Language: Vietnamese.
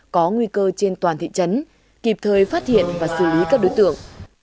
có nguy cơ trên toàn thị trấn kịp thời phát hiện và xử lý các đối tượng